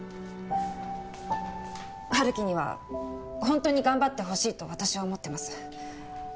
春樹にはホントに頑張ってほしいと私は思ってます